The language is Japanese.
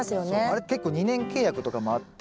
あれ結構２年契約とかもあって。